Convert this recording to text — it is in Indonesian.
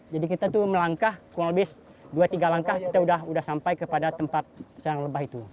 jadi kita itu melangkah kurang lebih dua tiga langkah kita sudah sampai ke tempat sarang lebah itu